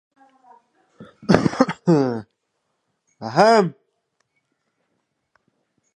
• Sohilda hamma darg‘a.